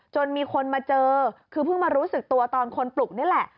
จนมีคนมาเจอคือเพิ่งมารู้สึกตัวตอนคนปลุกนี่แหละ